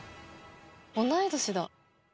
同い年だ！